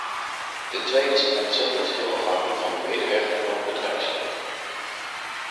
Ten tweede is ontzettend veel afhankelijk van de medewerking van het bedrijfsleven.